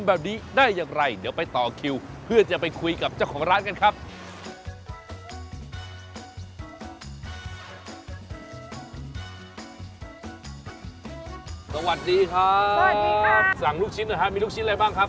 สวัสดีครับสวัสดีครับสั่งลูกชิ้นหน่อยครับมีลูกชิ้นอะไรบ้างครับ